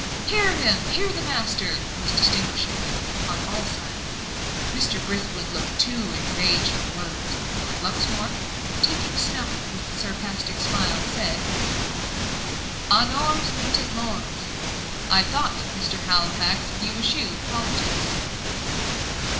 "Hear him! hear the master!" was distinguishable on all sides. Mr. Brithwood looked too enraged for words; but Lord Luxmore, taking snuff with a sarcastic smile, said: "Honores mutant mores! I thought, Mr. Halifax, you eschewed politics?"